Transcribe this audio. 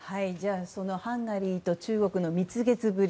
ハンガリーと中国の蜜月ぶり